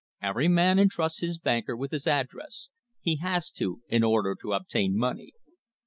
Every man entrusts his banker with his address. He has to, in order to obtain money."